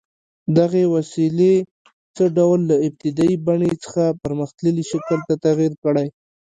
دغې وسیلې څه ډول له ابتدايي بڼې څخه پرمختللي شکل ته تغییر کړی؟